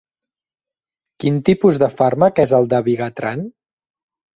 Quin tipus de fàrmac és el dabigatran?